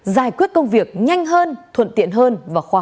giải quyết công việc nhanh hơn thuận tiện hơn